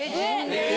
・え！